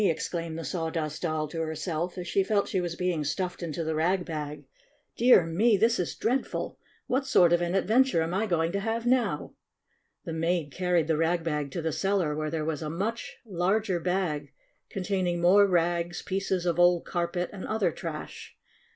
exclaimed the Sawdust Doll to herself, as she felt that she was being stuffed into the rag bag. 6 6 Dear me ! This is dreadful! What sort of an adventure am I going to have now?" The maid carried the rag bag to the cel lar, where there was a much larger bag, containing more rags, pieces of old car pet and other trash.